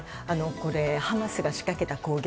ハマスが仕掛けた攻撃